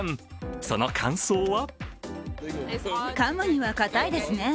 その感想は？